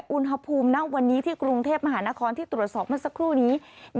อุณหภูมิณวันนี้ที่กรุงเทพมหานครที่ตรวจสอบเมื่อสักครู่นี้